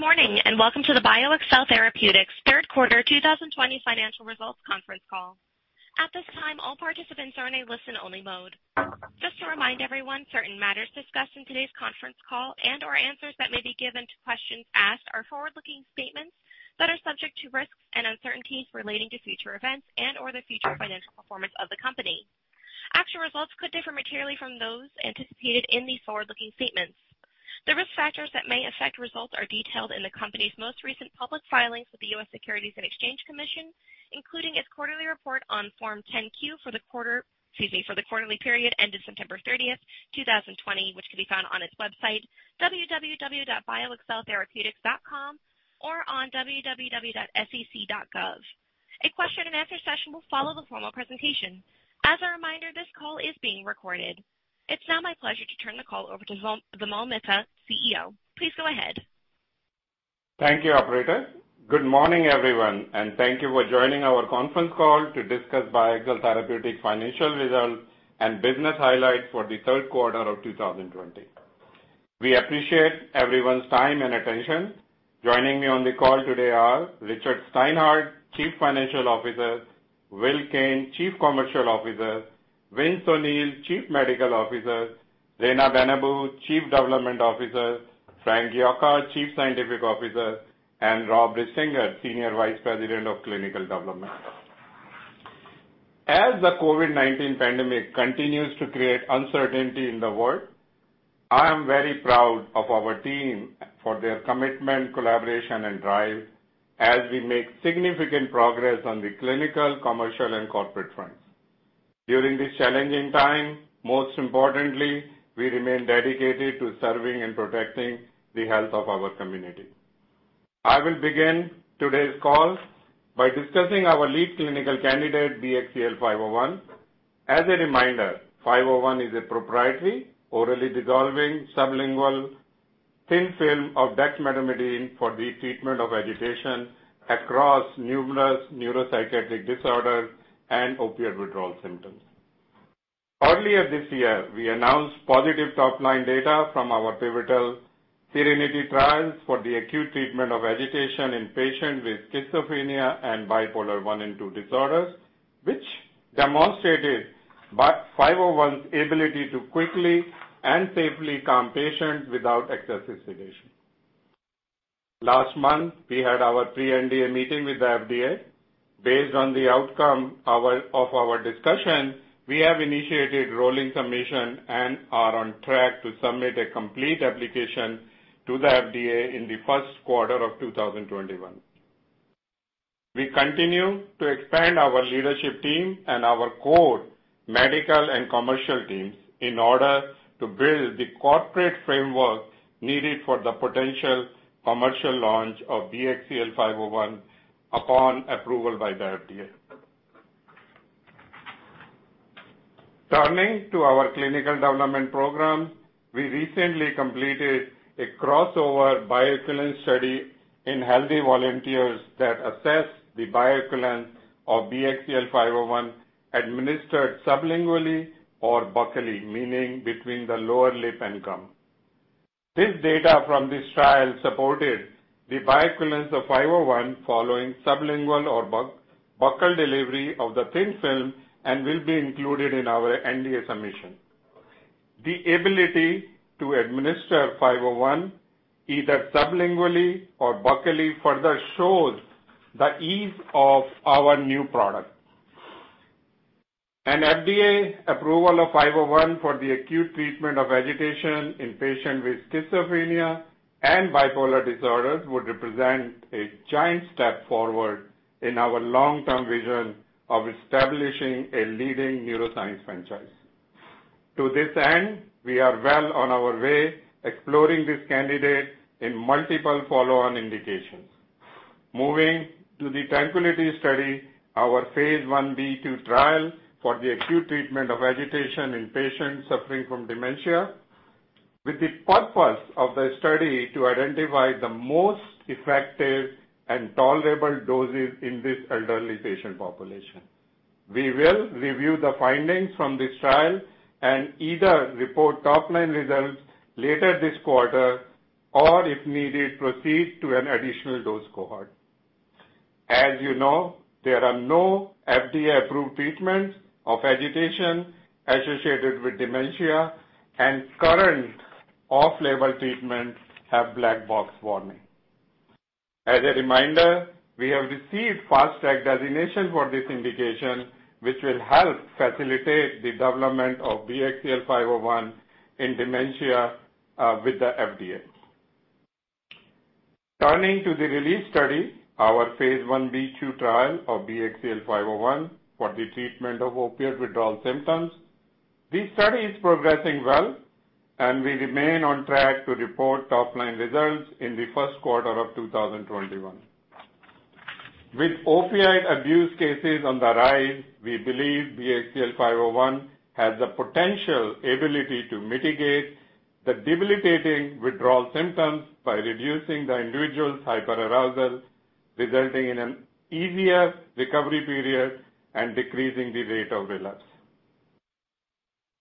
Good morning, and welcome to the BioXcel Therapeutics third quarter 2020 financial results conference call. At this time, all participants are in a listen-only mode. Just to remind everyone, certain matters discussed in today's conference call and/or answers that may be given to questions asked are forward-looking statements that are subject to risks and uncertainties relating to future events and/or the future financial performance of the company. Actual results could differ materially from those anticipated in these forward-looking statements. The risk factors that may affect results are detailed in the company's most recent public filings with the U.S. Securities and Exchange Commission, including its quarterly report on Form 10-Q for the quarterly period ended September 30th, 2020, which can be found on its website, www.bioxceltherapeutics.com or on www.sec.gov. A question-and-answer session will follow the formal presentation. As a reminder, this call is being recorded. It's now my pleasure to turn the call over to Vimal Mehta, CEO. Please go ahead. Thank you, operator. Good morning, everyone, and thank you for joining our conference call to discuss BioXcel Therapeutics financial results and business highlights for the third quarter of 2020. We appreciate everyone's time and attention. Joining me on the call today are Richard Steinhart, Chief Financial Officer, Will Kane, Chief Commercial Officer, Vince O'Neill, Chief Medical Officer, Reina Benabou, Chief Development Officer, Frank Yocca, Chief Scientific Officer, and Rob Risinger, Senior Vice President of Clinical Development. As the COVID-19 pandemic continues to create uncertainty in the world, I am very proud of our team for their commitment, collaboration, and drive as we make significant progress on the clinical, commercial, and corporate fronts. During this challenging time, most importantly, we remain dedicated to serving and protecting the health of our community. I will begin today's call by discussing our lead clinical candidate, BXCL501. As a reminder, BXCL501 is a proprietary, orally dissolving sublingual thin film of dexmedetomidine for the treatment of agitation across numerous neuropsychiatric disorders and opiate withdrawal symptoms. Earlier this year, we announced positive top-line data from our pivotal SERENITY trials for the acute treatment of agitation in patients with schizophrenia and bipolar I and II disorders, which demonstrated BXCL501's ability to quickly and safely calm patients without excessive sedation. Last month, we had our pre-NDA meeting with the FDA. Based on the outcome of our discussion, we have initiated rolling submission and are on track to submit a complete application to the FDA in the first quarter of 2021. We continue to expand our leadership team and our core medical and commercial teams in order to build the corporate framework needed for the potential commercial launch of BXCL501 upon approval by the FDA. Turning to our clinical development program, we recently completed a crossover bioequivalence study in healthy volunteers that assessed the bioequivalence of BXCL501 administered sublingually or buccally, meaning between the lower lip and gum. This data from this trial supported the bioequivalence of 501 following sublingual or buccal delivery of the thin film and will be included in our NDA submission. The ability to administer 501 either sublingually or buccally further shows the ease of our new product. An FDA approval of 501 for the acute treatment of agitation in patients with schizophrenia and bipolar disorders would represent a giant step forward in our long-term vision of establishing a leading neuroscience franchise. To this end, we are well on our way, exploring this candidate in multiple follow-on indications. Moving to the TRANQUILITY study, our phase I-B/II trial for the acute treatment of agitation in patients suffering from dementia, with the purpose of the study to identify the most effective and tolerable doses in this elderly patient population. We will review the findings from this trial and either report top-line results later this quarter or, if needed, proceed to an additional dose cohort. As you know, there are no FDA-approved treatments of agitation associated with dementia, and current off-label treatments have black box warning. As a reminder, we have received Fast Track designation for this indication, which will help facilitate the development of BXCL501 in dementia, with the FDA. Turning to the RELEASE study, our phase I-B/II trial of BXCL501 for the treatment of opiate withdrawal symptoms. This study is progressing well, and we remain on track to report top-line results in the first quarter of 2021. With opioid abuse cases on the rise, we believe BXCL501 has the potential ability to mitigate the debilitating withdrawal symptoms by reducing the individual's hyperarousal, resulting in an easier recovery period and decreasing the rate of relapse.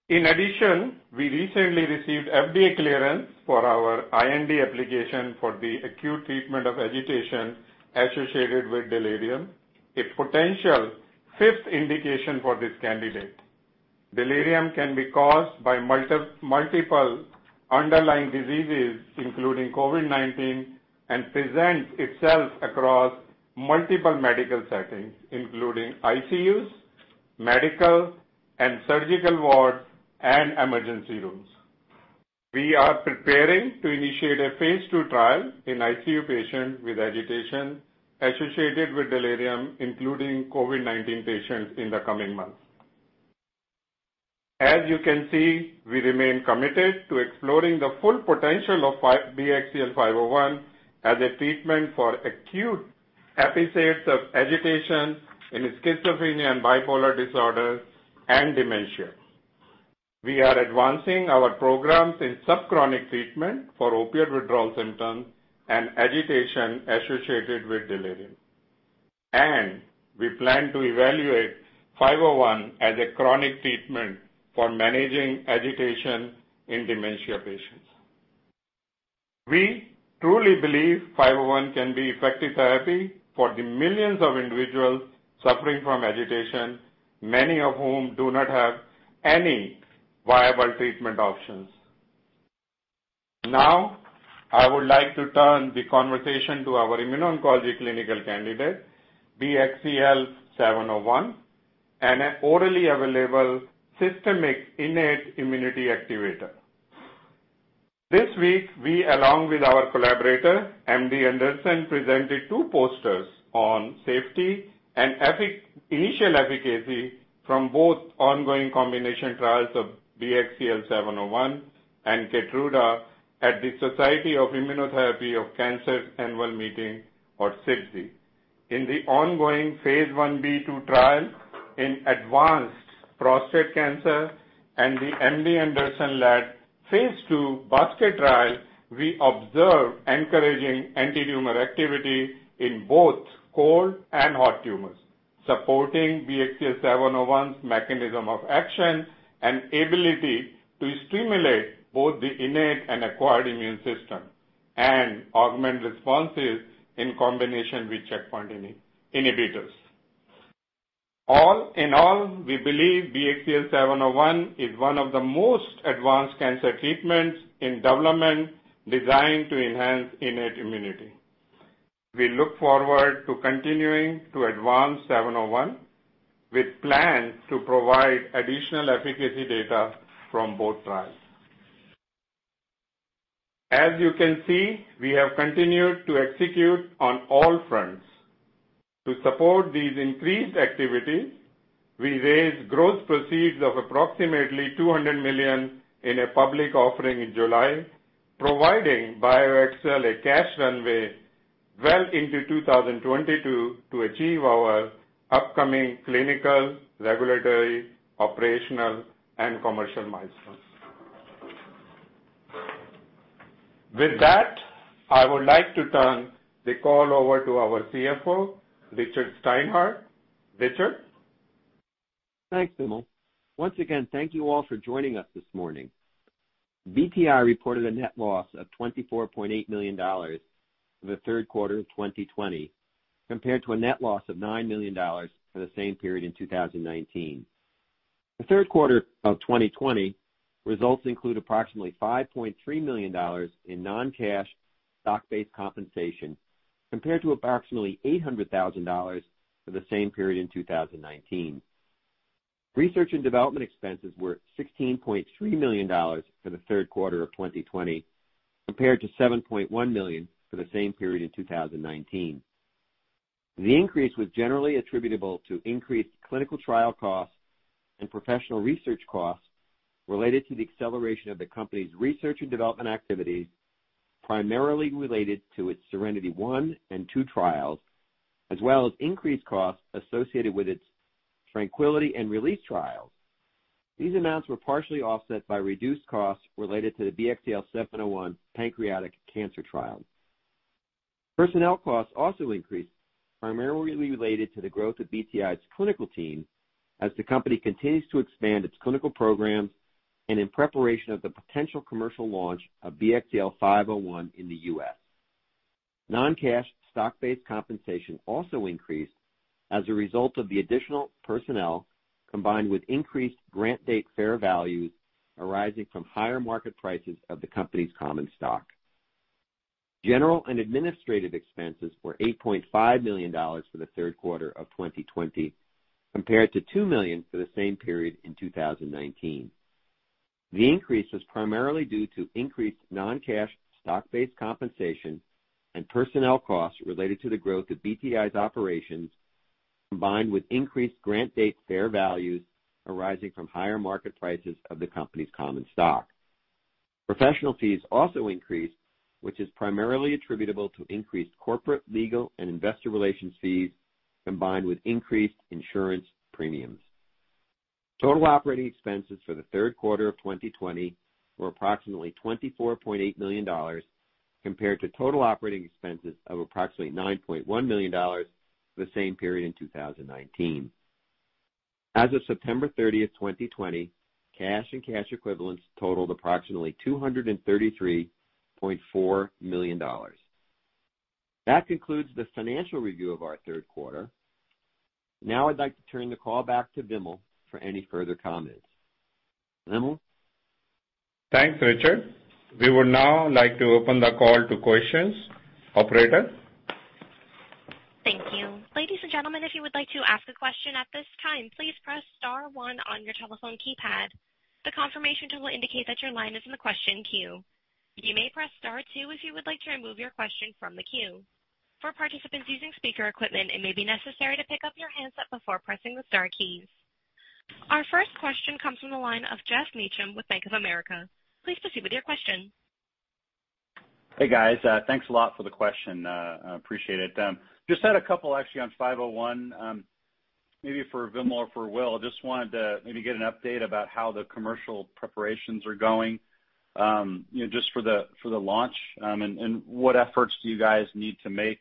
We recently received FDA clearance for our IND application for the acute treatment of agitation associated with delirium, a potential fifth indication for this candidate. Delirium can be caused by multiple underlying diseases, including COVID-19, and presents itself across multiple medical settings, including ICUs, medical and surgical wards, and emergency rooms. We are preparing to initiate a phase II trial in ICU patients with agitation associated with delirium, including COVID-19 patients, in the coming months. As you can see, we remain committed to exploring the full potential of BXCL501 as a treatment for acute episodes of agitation in schizophrenia and bipolar disorders and dementia. We are advancing our programs in subchronic treatment for opioid withdrawal symptoms and agitation associated with delirium. We plan to evaluate 501 as a chronic treatment for managing agitation in dementia patients. We truly believe 501 can be effective therapy for the millions of individuals suffering from agitation, many of whom do not have any viable treatment options. Now, I would like to turn the conversation to our immuno-oncology clinical candidate, BXCL701, an orally available systemic innate immunity activator. This week, we, along with our collaborator, MD Anderson, presented two posters on safety and initial efficacy from both ongoing combination trials of BXCL701 and KEYTRUDA at the Society for Immunotherapy of Cancer Annual Meeting, or SITC. In the ongoing phase I-B/II trial in advanced prostate cancer and the MD Anderson led phase II basket trial, we observed encouraging antitumor activity in both cold and hot tumors, supporting BXCL701's mechanism of action and ability to stimulate both the innate and acquired immune system and augment responses in combination with checkpoint inhibitors. All in all, we believe BXCL701 is one of the most advanced cancer treatments in development, designed to enhance innate immunity. We look forward to continuing to advance 701 with plans to provide additional efficacy data from both trials. As you can see, we have continued to execute on all fronts. To support these increased activities, we raised gross proceeds of approximately $200 million in a public offering in July, providing BioXcel a cash runway well into 2022 to achieve our upcoming clinical, regulatory, operational, and commercial milestones. With that, I would like to turn the call over to our CFO, Richard Steinhart. Richard? Thanks, Vimal. Once again, thank you all for joining us this morning. BTAI reported a net loss of $24.8 million for the third quarter of 2020, compared to a net loss of $9 million for the same period in 2019. The third quarter of 2020 results include approximately $5.3 million in non-cash stock-based compensation, compared to approximately $800,000 for the same period in 2019. Research and development expenses were $16.3 million for the third quarter of 2020, compared to $7.1 million for the same period in 2019. The increase was generally attributable to increased clinical trial costs and professional research costs related to the acceleration of the company's research and development activities, primarily related to its SERENITY I and II trials, as well as increased costs associated with its TRANQUILITY and RELEASE trials. These amounts were partially offset by reduced costs related to the BXCL701 pancreatic cancer trial. Personnel costs also increased, primarily related to the growth of BTAI's clinical team as the company continues to expand its clinical programs and in preparation of the potential commercial launch of BXCL501 in the U.S. Non-cash stock-based compensation also increased as a result of the additional personnel, combined with increased grant date fair values arising from higher market prices of the company's common stock. General and administrative expenses were $8.5 million for the third quarter of 2020, compared to $2 million for the same period in 2019. The increase was primarily due to increased non-cash stock-based compensation and personnel costs related to the growth of BTAI's operations, combined with increased grant date fair values arising from higher market prices of the company's common stock. Professional fees also increased, which is primarily attributable to increased corporate, legal, and investor relations fees, combined with increased insurance premiums. Total operating expenses for the third quarter of 2020 were approximately $24.8 million. Compared to total operating expenses of approximately $9.1 million the same period in 2019. As of September 30th, 2020, cash and cash equivalents totaled approximately $233.4 million. That concludes the financial review of our third quarter. Now I'd like to turn the call back to Vimal for any further comments. Vimal? Thanks, Richard. We would now like to open the call to questions. Operator? Thank you. Ladies and gentlemen, if you would like to ask a question at this time, please press star one on your telephone keypad. A confirmation double will indicate that your line is in the question queue. You may press star two if you would like to remove your question from the queue. For parties using speaker equipment, it may be necessary to pick up your handset before pressing the star key. Our first question comes from the line of Geoff Meacham with Bank of America. Please proceed with your question. Hey, guys. Thanks a lot for the question. I appreciate it. Just had a couple actually, on BXCL501, maybe for Vimal or for Will. Just wanted to maybe get an update about how the commercial preparations are going, just for the launch. What efforts do you guys need to make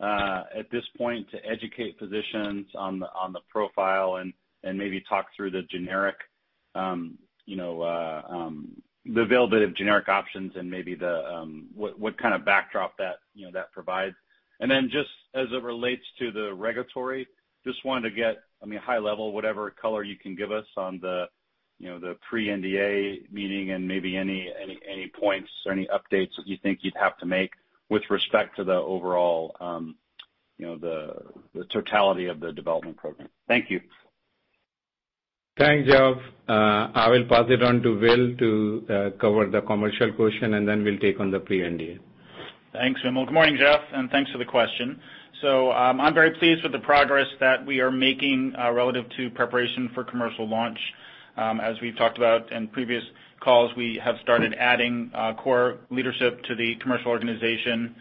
at this point to educate physicians on the profile and maybe talk through the availability of generic options and maybe what kind of backdrop that provides? Just as it relates to the regulatory, just wanted to get high level, whatever color you can give us on the pre-NDA meeting and maybe any points or any updates that you think you'd have to make with respect to the totality of the development program. Thank you. Thanks, Geoff. I will pass it on to Will to cover the commercial portion, and then we'll take on the pre-NDA. Thanks, Vimal. Good morning, Geoff, and thanks for the question. I'm very pleased with the progress that we are making relative to preparation for commercial launch. As we've talked about in previous calls, we have started adding core leadership to the commercial organization,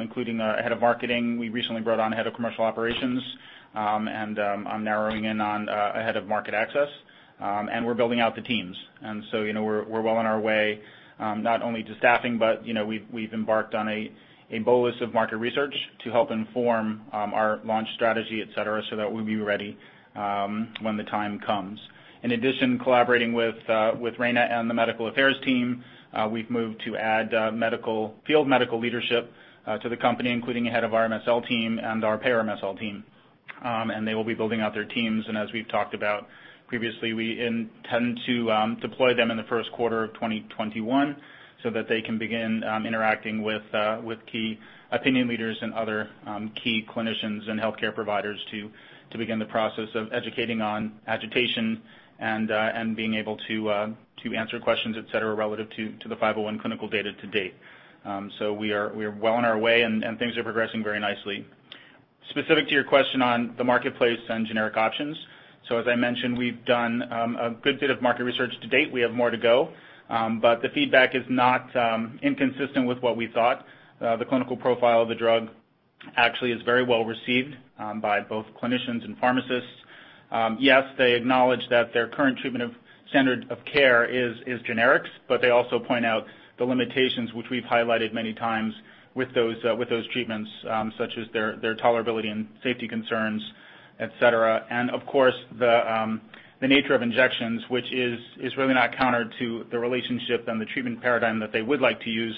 including our head of marketing. We recently brought on a head of commercial operations, and I'm narrowing in on a head of market access. We're building out the teams. We're well on our way, not only to staffing, but we've embarked on a bolus of market research to help inform our launch strategy, et cetera, so that we'll be ready when the time comes. In addition, collaborating with Reina and the medical affairs team, we've moved to add field medical leadership to the company, including a head of our MSL team and our payer MSL team. They will be building out their teams. As we've talked about previously, we intend to deploy them in the first quarter of 2021 so that they can begin interacting with key opinion leaders and other key clinicians and healthcare providers to begin the process of educating on agitation and being able to answer questions, et cetera, relative to the BXCL501 clinical data to date. We are well on our way, and things are progressing very nicely. Specific to your question on the marketplace and generic options. As I mentioned, we've done a good bit of market research to date. We have more to go. The feedback is not inconsistent with what we thought. The clinical profile of the drug actually is very well received by both clinicians and pharmacists. Yes, they acknowledge that their current treatment of standard of care is generics, but they also point out the limitations which we've highlighted many times with those treatments, such as their tolerability and safety concerns, et cetera. Of course, the nature of injections, which is really not counter to the relationship and the treatment paradigm that they would like to use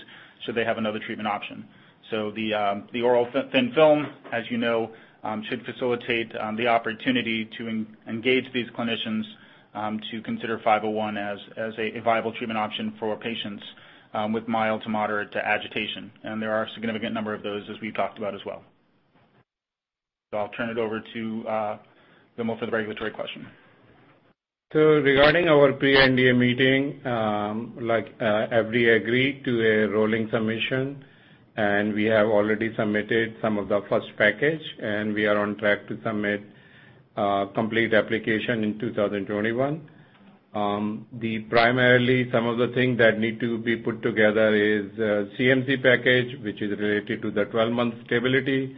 should they have another treatment option. The oral thin film, as you know, should facilitate the opportunity to engage these clinicians to consider 501 as a viable treatment option for patients with mild to moderate to agitation. There are a significant number of those, as we've talked about as well. I'll turn it over to Vimal for the regulatory question. Regarding our pre-NDA meeting, like FDA agreed to a rolling submission, and we have already submitted some of the first package, and we are on track to submit a complete application in 2021. Primarily, some of the things that need to be put together is a CMC package, which is related to the 12-month stability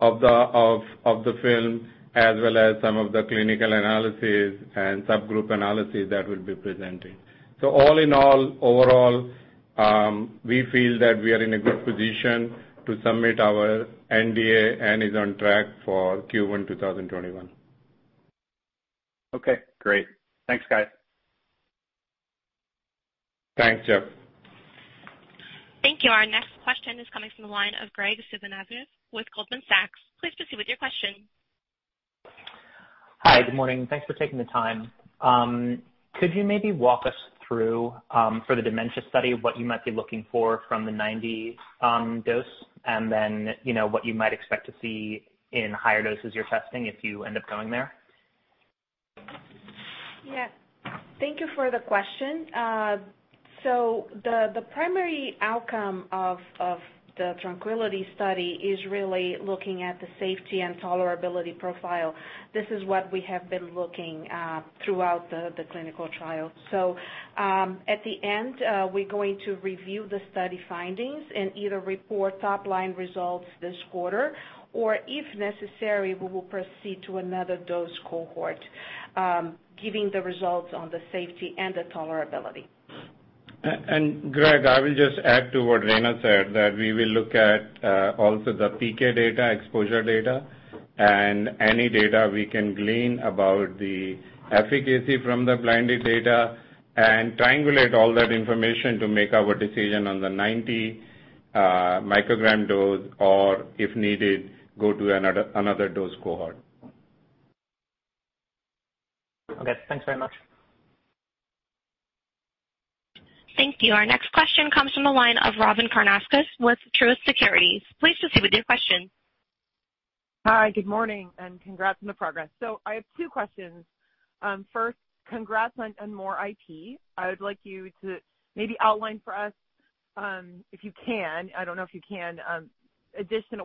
of the film, as well as some of the clinical analyses and subgroup analyses that we'll be presenting. All in all, overall, we feel that we are in a good position to submit our NDA and is on track for Q1 2021. Okay, great. Thanks, guys. Thanks, Geoff. Thank you. Our next question is coming from the line of Graig Suvannavejh with Goldman Sachs. Please proceed with your question. Hi, good morning. Thanks for taking the time. Could you maybe walk us through, for the dementia study, what you might be looking for from the 90-dose, and then what you might expect to see in higher doses you're testing if you end up going there? Yeah. Thank you for the question. The primary outcome of the TRANQUILITY study is really looking at the safety and tolerability profile. This is what we have been looking throughout the clinical trial. At the end, we're going to review the study findings and either report topline results this quarter, or if necessary, we will proceed to another dose cohort, giving the results on the safety and the tolerability. Graig, I will just add to what Reina said, that we will look at also the PK data, exposure data, and any data we can glean about the efficacy from the blinded data and triangulate all that information to make our decision on the 90 µg dose or, if needed, go to another dose cohort. Okay. Thanks very much. Thank you. Our next question comes from the line of Robyn Karnauskas with Truist Securities. Please proceed with your question. Hi, good morning. Congrats on the progress. I have two questions. First, congrats on more IP. I would like you to maybe outline for us, if you can, I don't know if you can,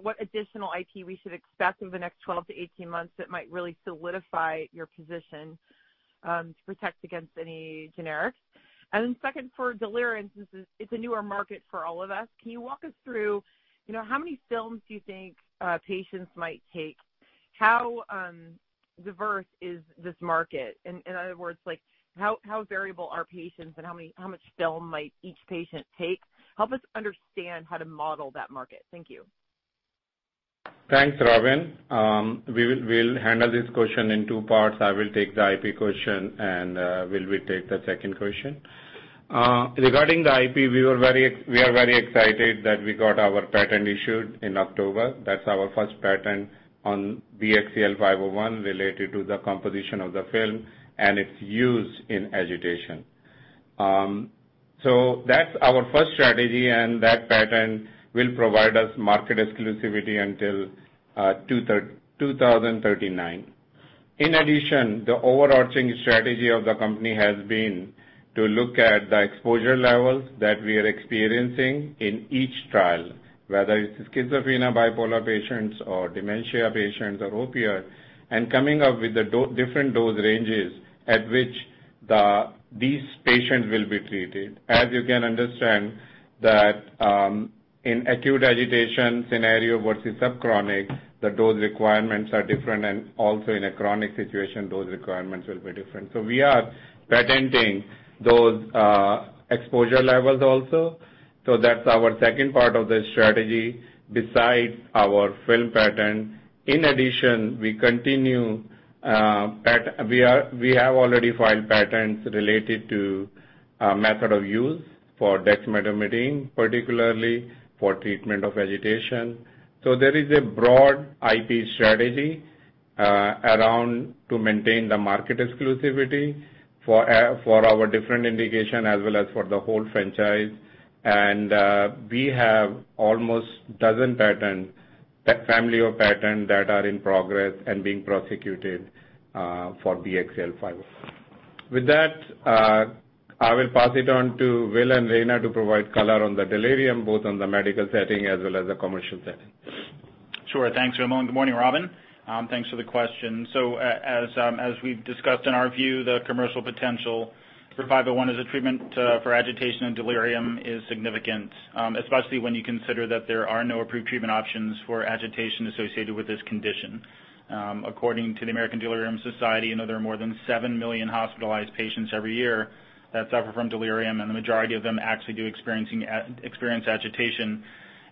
what additional IP we should expect over the next 12-18 months that might really solidify your position to protect against any generics. Second, for delirium, since it's a newer market for all of us, can you walk us through how many films do you think patients might take? How diverse is this market? In other words, how variable are patients and how much film might each patient take? Help us understand how to model that market. Thank you. Thanks, Robyn. We'll handle this question in two parts. I will take the IP question. Will will take the second question. Regarding the IP, we are very excited that we got our patent issued in October. That's our first patent on BXCL501 related to the composition of the film and its use in agitation. That's our first strategy. That patent will provide us with market exclusivity until 2039. In addition, the overarching strategy of the company has been to look at the exposure levels that we are experiencing in each trial, whether it's schizophrenia, bipolar patients, or dementia patients or opioid, coming up with the different dose ranges at which these patients will be treated. You can understand that in acute agitation scenario versus subchronic, the dose requirements are different. Also in a chronic situation, dose requirements will be different. We are patenting those exposure levels also. That's our second part of the strategy besides our film patent. In addition, we have already filed patents related to method of use for dexmedetomidine, particularly for treatment of agitation. There is a broad IP strategy around to maintain the market exclusivity for our different indication as well as for the whole franchise. We have almost 12 patents, that family of patent that are in progress and being prosecuted for BXCL501. With that, I will pass it on to Will and Reina to provide color on the delirium, both on the medical setting as well as the commercial setting. Sure. Thanks, Vimal. Good morning, Robyn. Thanks for the question. As we've discussed, in our view, the commercial potential for 501 as a treatment for agitation and delirium is significant, especially when you consider that there are no approved treatment options for agitation associated with this condition. According to the American Delirium Society, there are more than 7 million hospitalized patients every year that suffer from delirium, and the majority of them actually do experience agitation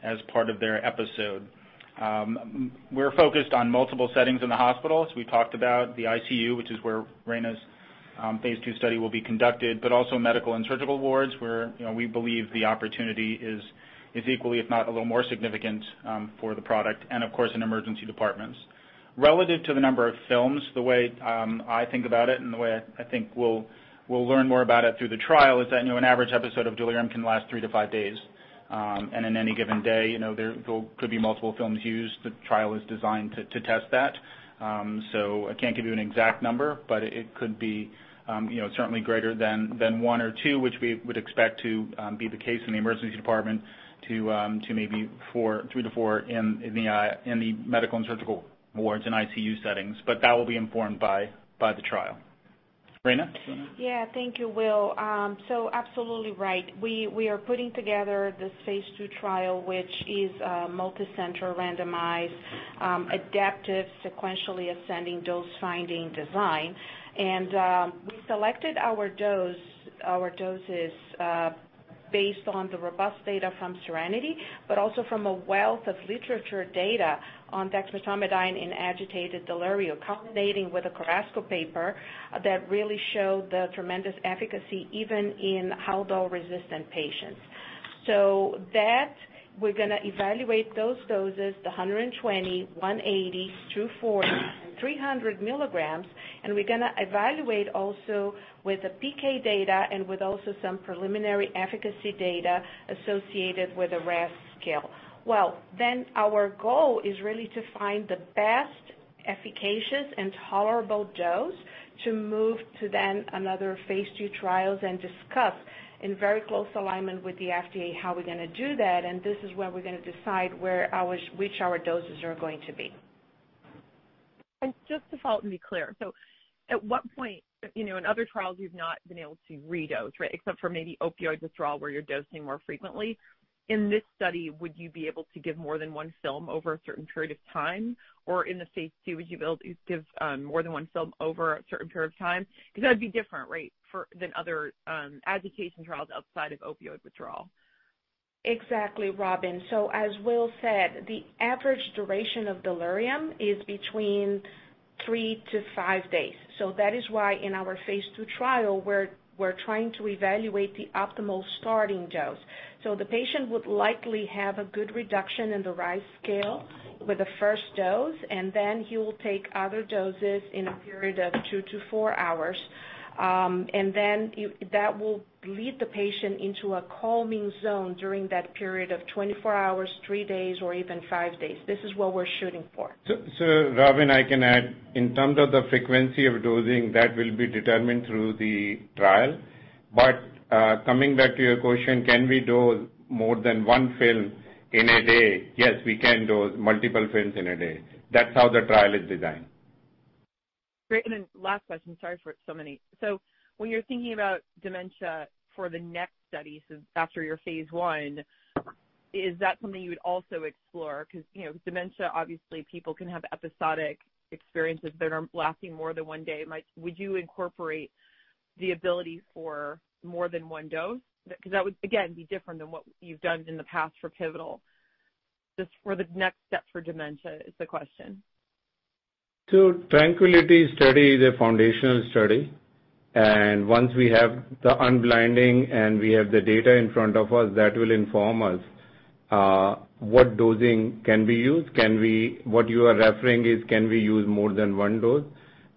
as part of their episode. We're focused on multiple settings in the hospitals. We talked about the ICU, which is where Reina's phase II study will be conducted, but also medical and surgical wards, where we believe the opportunity is equally, if not a little more significant for the product, and of course, in emergency departments. Relative to the number of films, the way I think about it and the way I think we'll learn more about it through the trial is that an average episode of delirium can last three to five days. In any given day, there could be multiple films used. The trial is designed to test that. I can't give you an exact number, but it could be certainly greater than one or two, which we would expect to be the case in the emergency department, to maybe three to four in the medical and surgical wards and ICU settings. That will be informed by the trial. Reina? Yeah. Thank you, Will. Absolutely right. We are putting together this phase II trial, which is a multicenter, randomized, adaptive, sequentially ascending dose-finding design. We selected our doses based on the robust data from SERENITY, but also from a wealth of literature data on dexmedetomidine in agitated delirium, culminating with a Carrasco paper that really showed the tremendous efficacy even in Haldol-resistant patients. We're going to evaluate those doses, the 120 mg, 180 mg, 240 mg, and 300 mg, and we're going to evaluate also with the PK data and with also some preliminary efficacy data associated with the RASS scale. Well, our goal is really to find the best efficacious and tolerable dose to move to then another phase II trials. Discuss in very close alignment with the FDA how we're going to do that. This is where we're going to decide which our doses are going to be. Just to follow up and be clear. At what point, in other trials, you've not been able to redose, right? Except for maybe opioid withdrawal where you're dosing more frequently. In this study, would you be able to give more than one film over a certain period of time? Or in the phase II, would you be able to give more than one film over a certain period of time? That would be different, right, than other agitation trials outside of opioid withdrawal. Exactly, Robyn. As Will said, the average duration of delirium is between three to five days. That is why in our phase II trial, we're trying to evaluate the optimal starting dose. The patient would likely have a good reduction in the RASS scale with the first dose, he will take other doses in a period of two to four hours. That will lead the patient into a calming zone during that period of 24 hours, three days or even five days. This is what we're shooting for. Robyn, I can add, in terms of the frequency of dosing, that will be determined through the trial. Coming back to your question, can we dose more than one film in a day? Yes, we can dose multiple films in a day. That's how the trial is designed. Great. Last question, sorry for so many. When you're thinking about dementia for the next study, after your phase I, is that something you would also explore? Dementia, obviously people can have episodic experiences that are lasting more than one day. Would you incorporate the ability for more than one dose? That would, again, be different than what you've done in the past for pivotal. Just for the next step for dementia is the question. TRANQUILITY study is a foundational study, and once we have the unblinding and we have the data in front of us, that will inform us what dosing can be used. What you are referring is can we use more than one dose,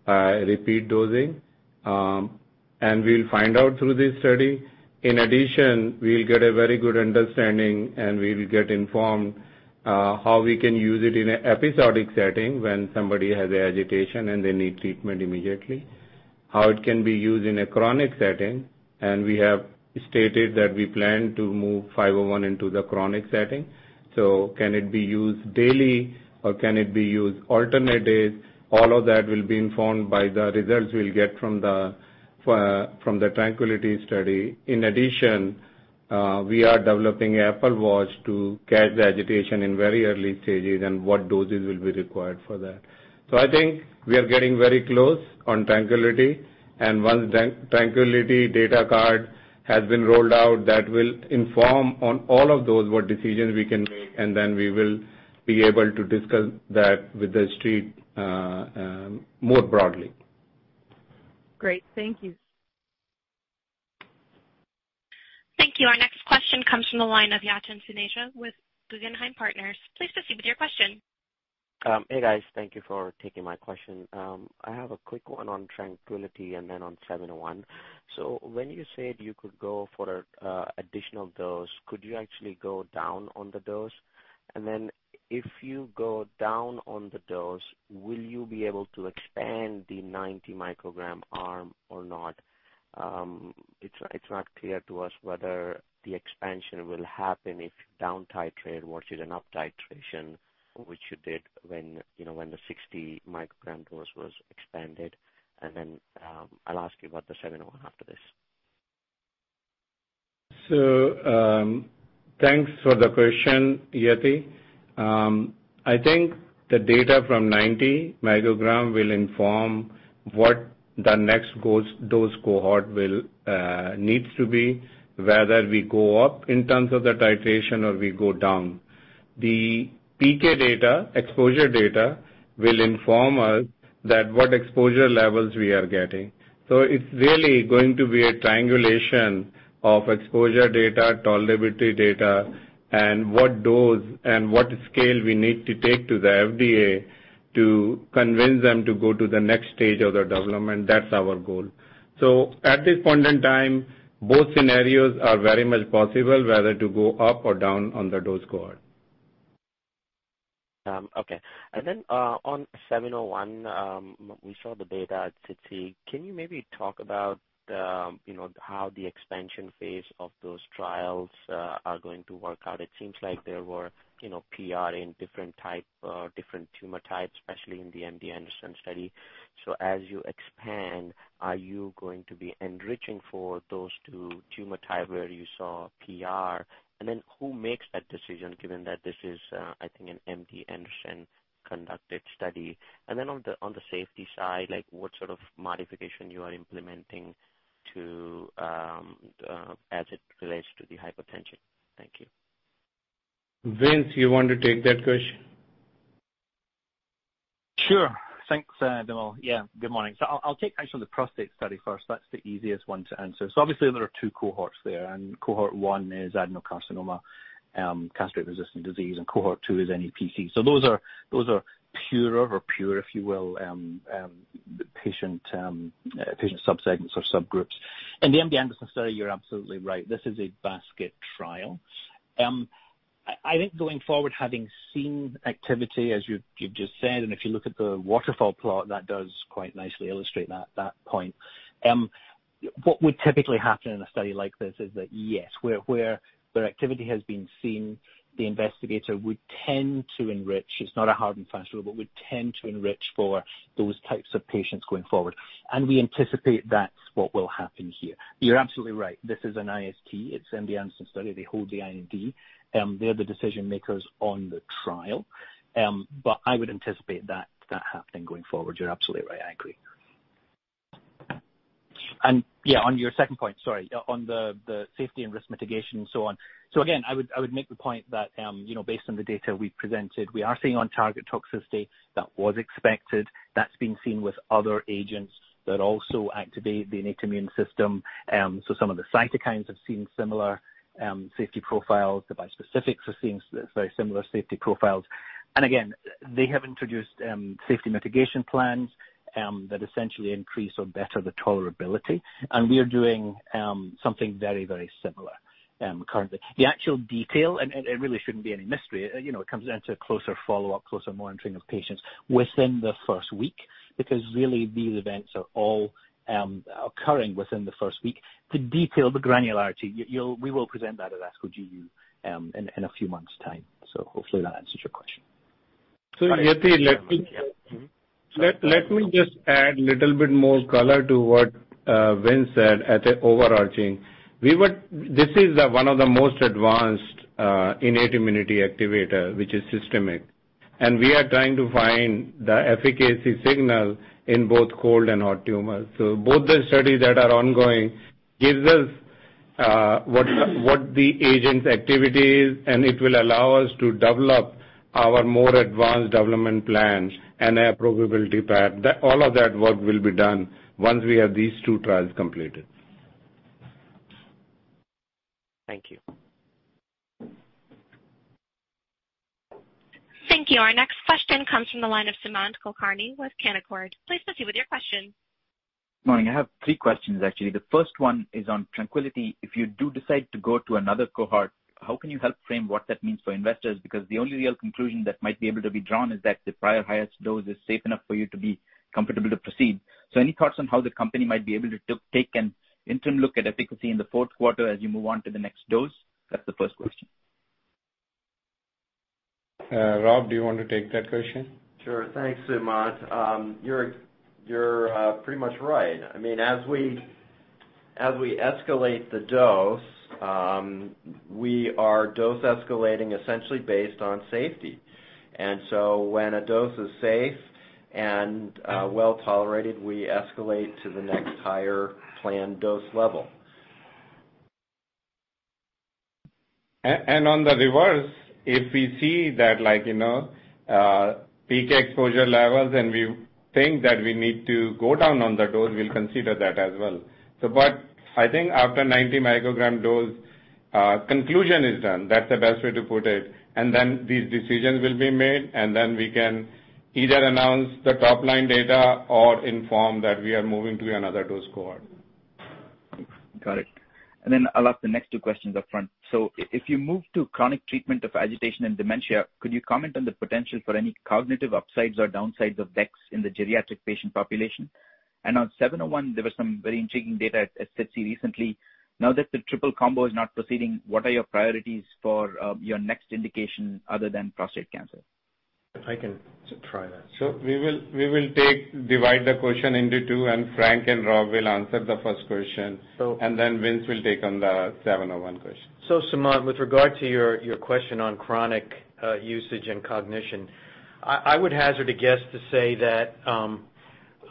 repeat dosing? We'll find out through this study. In addition, we'll get a very good understanding, and we will get informed how we can use it in an episodic setting when somebody has agitation and they need treatment immediately. How it can be used in a chronic setting, and we have stated that we plan to move 501 into the chronic setting. Can it be used daily or can it be used alternate days? All of that will be informed by the results we'll get from the TRANQUILITY study. In addition, we are developing Apple Watch to catch the agitation in very early stages and what doses will be required for that. I think we are getting very close on TRANQUILITY, and once TRANQUILITY data cut has been rolled out, that will inform on all of those what decisions we can make, and then we will be able to discuss that with The Street, more broadly. Great. Thank you. Thank you. Our next question comes from the line of Yatin Suneja with Guggenheim Partners. Please proceed with your question. Hey, guys. Thank you for taking my question. I have a quick one on TRANQUILITY and then on 701. When you said you could go for an additional dose, could you actually go down on the dose? If you go down on the dose, will you be able to expand the 90 µg arm or not? It's not clear to us whether the expansion will happen if down-titrate versus an up-titration, which you did when the 60 µg dose was expanded. I'll ask you about the 701 after this. Thanks for the question, Yatin. I think the data from 90 µg will inform what the next dose cohort will need to be, whether we go up in terms of the titration or we go down. The PK data, exposure data, will inform us that what exposure levels we are getting. It's really going to be a triangulation of exposure data, tolerability data, and what dose and what scale we need to take to the FDA to convince them to go to the next stage of the development. That's our goal. At this point in time, both scenarios are very much possible, whether to go up or down on the dose cohort. Okay. On 701, we saw the data at SITC. Can you maybe talk about how the expansion phase of those trials are going to work out? It seems like there were PR in different tumor types, especially in the MD Anderson study. As you expand, are you going to be enriching for those two tumor types where you saw PR? Who makes that decision given that this is, I think an MD Anderson-conducted study? On the safety side, what sort of modification you are implementing as it relates to the hypertension? Thank you. Vince, you want to take that question? Sure. Thanks, Vimal. Good morning. I'll take actually the prostate study first. That's the easiest one to answer. Obviously there are two cohorts there, and cohort one is adenocarcinoma, castrate-resistant disease, and cohort two is NEPC. Those are purer if you will, patient subsegments or subgroups. In the MD Anderson study, you're absolutely right. This is a basket trial. I think going forward, having seen activity as you've just said, and if you look at the waterfall plot, that does quite nicely illustrate that point. What would typically happen in a study like this is that, yes, where the activity has been seen, the investigator would tend to enrich. It's not a hard and fast rule but would tend to enrich for those types of patients going forward. We anticipate that's what will happen here. You're absolutely right. This is an IST, it's MD Anderson study. They hold the IND. They're the decision-makers on the trial. I would anticipate that happening going forward. You're absolutely right. I agree. On your second point, sorry, on the safety and risk mitigation and so on. Again, I would make the point that based on the data we presented, we are seeing on-target toxicity that was expected. That's been seen with other agents that also activate the innate immune system. Some of the cytokines have seen similar safety profiles. The bispecifics have seen very similar safety profiles. Again, they have introduced safety mitigation plans that essentially increase or better the tolerability. We are doing something very, very similar currently. The actual detail, it really shouldn't be any mystery, it comes down to closer follow-up, closer monitoring of patients within the first week, because really these events are all occurring within the first week. The detail, the granularity, we will present that at ASCO GU in a few months' time. Hopefully that answers your question. Yatin, let me just add a little bit more color to what Vince said as the overarching. This is one of the most advanced innate immunity activator, which is systemic. We are trying to find the efficacy signal in both cold and hot tumors. Both the studies that are ongoing gives us what the agent's activity is, and it will allow us to develop our more advanced development plans and approvability path. All of that work will be done once we have these two trials completed. Thank you. Thank you. Our next question comes from the line of Sumant Kulkarni with Canaccord. Please proceed with your question. Morning. I have three questions, actually. The first one is on TRANQUILITY. If you do decide to go to another cohort, how can you help frame what that means for investors? The only real conclusion that might be able to be drawn is that the prior highest dose is safe enough for you to be comfortable to proceed. Any thoughts on how the company might be able to take an interim look at efficacy in the fourth quarter as you move on to the next dose? That's the first question. Rob, do you want to take that question? Sure. Thanks, Sumant. You're pretty much right. As we escalate the dose, we are dose escalating essentially based on safety. When a dose is safe and well-tolerated, we escalate to the next higher planned dose level. On the reverse, if we see that peak exposure levels and we think that we need to go down on the dose, we'll consider that as well. I think after 90 µg dose, conclusion is done. That's the best way to put it. These decisions will be made. We can either announce the top-line data or inform that we are moving to another dose cohort. Got it. I'll ask the next two questions up front. If you move to chronic treatment of agitation and dementia, could you comment on the potential for any cognitive upsides or downsides of dex in the geriatric patient population? On 701, there was some very intriguing data at SITC recently. Now that the triple combo is not proceeding, what are your priorities for your next indication other than prostate cancer? I can try that. We will divide the question into two. Frank and Rob will answer the first question. So- Vince will take on the 701 question. Sumant, with regard to your question on chronic usage and cognition, I would hazard a guess to say that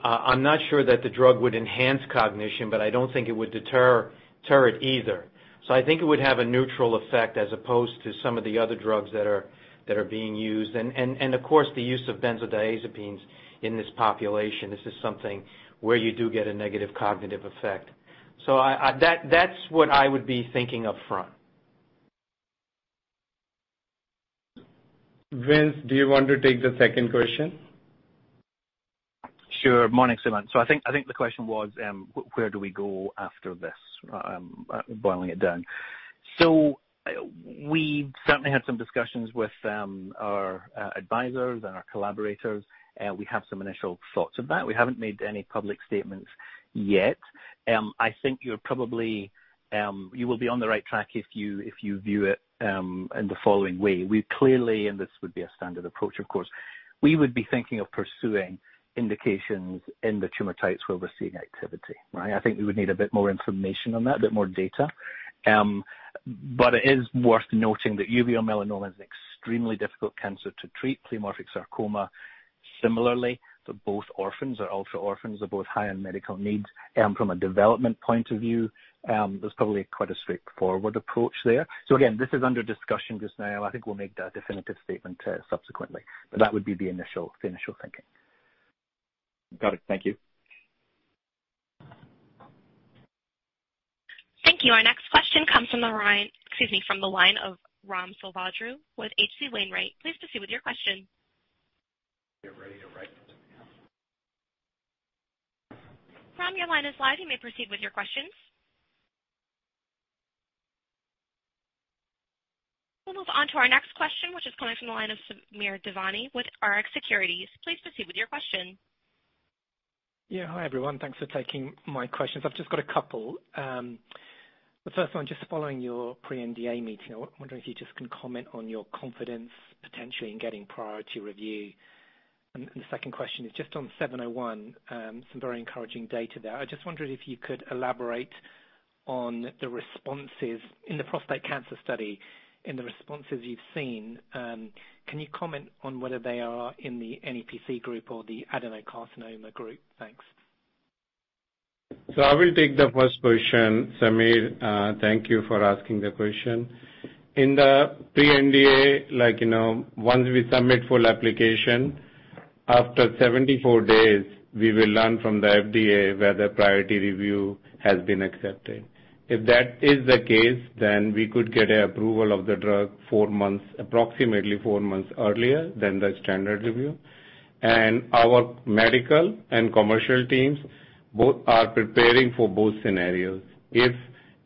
I'm not sure that the drug would enhance cognition, but I don't think it would deter it either. I think it would have a neutral effect as opposed to some of the other drugs that are being used. Of course, the use of benzodiazepines in this population, this is something where you do get a negative cognitive effect. That's what I would be thinking up front. Vince, do you want to take the second question? Sure. Morning, Sumant. I think the question was, where do we go after this? Boiling it down. We certainly had some discussions with our advisors and our collaborators. We have some initial thoughts on that. We haven't made any public statements yet. I think you will be on the right track if you view it in the following way. We clearly, and this would be a standard approach, of course, we would be thinking of pursuing indications in the tumor types where we're seeing activity, right? I think we would need a bit more information on that, a bit more data. It is worth noting that uveal melanoma is an extremely difficult cancer to treat. Pleomorphic sarcoma, similarly. They're both orphans or ultra orphans. They're both high in medical needs. From a development point of view, there's probably quite a straightforward approach there. Again, this is under discussion just now. I think we'll make the definitive statement subsequently. That would be the initial thinking. Got it. Thank you. Thank you. Our next question comes from the line of Ram Selvaraju with H.C. Wainwright. Please proceed with your question. Ram, your line is live. You may proceed with your questions. We'll move on to our next question, which is coming from the line of Samir Devani with Rx Securities. Please proceed with your question. Yeah. Hi, everyone. Thanks for taking my questions. I've just got a couple. The first one, just following your pre-NDA meeting, I was wondering if you just can comment on your confidence potentially in getting priority review. The second question is just on 701, some very encouraging data there. I just wondered if you could elaborate on the responses in the prostate cancer study, in the responses you've seen, can you comment on whether they are in the NEPC group or the adenocarcinoma group? Thanks. I will take the first question, Samir. Thank you for asking the question. In the pre-NDA, once we submit full application, after 74 days, we will learn from the FDA whether priority review has been accepted. If that is the case, we could get an approval of the drug approximately four months earlier than the standard review. Our medical and commercial teams both are preparing for both scenarios. If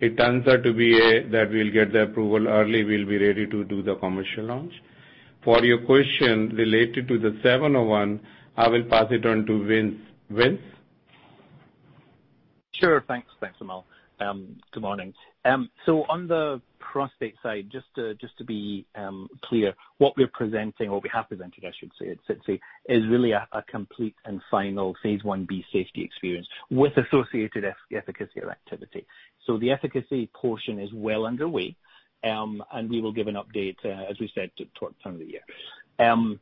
it turns out to be that we'll get the approval early, we'll be ready to do the commercial launch. For your question related to the BXCL701, I will pass it on to Vince. Vince? Sure. Thanks, Vimal. Good morning. On the prostate side, just to be clear, what we have presented, I should say, is really a complete and final phase I-B safety experience with associated efficacy or activity. The efficacy portion is well underway, and we will give an update, as we said, towards the end of the year.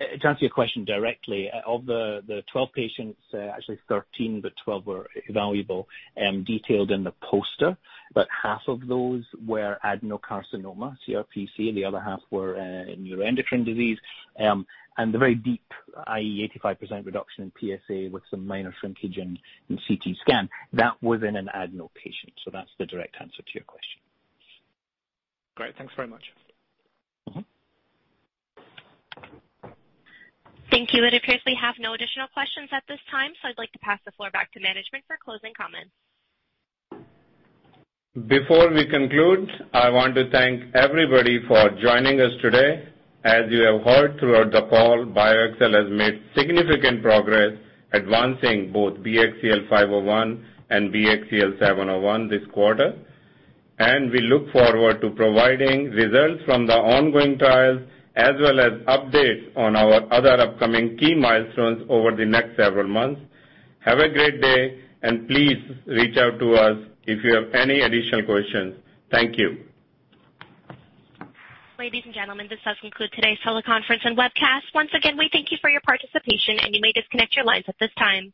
To answer your question directly, of the 12 patients, actually 13, but 12 were evaluable, detailed in the poster, but half of those were adenocarcinoma, CRPC, and the other half were neuroendocrine disease. The very deep, i.e., 85% reduction in PSA with some minor shrinkage in CT scan, that was in an adeno patient. That's the direct answer to your question. Great. Thanks very much. Thank you. It appears we have no additional questions at this time, so I'd like to pass the floor back to management for closing comments. Before we conclude, I want to thank everybody for joining us today. As you have heard throughout the call, BioXcel has made significant progress advancing both BXCL501 and BXCL701 this quarter. We look forward to providing results from the ongoing trials as well as updates on our other upcoming key milestones over the next several months. Have a great day, and please reach out to us if you have any additional questions. Thank you. Ladies and gentlemen, this does conclude today's teleconference and webcast. Once again, we thank you for your participation, and you may disconnect your lines at this time.